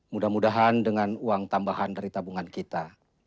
mudah mudahan dengan uang tambahan dari tabungan kita